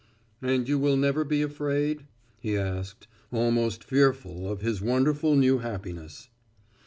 "And you will never be afraid?" he asked, almost fearful of his wonderful new happiness.